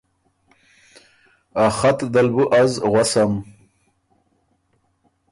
ا خط دل بُو از غؤسم